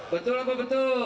betul apa betul